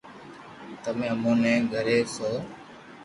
تمي اموني گھري سوھو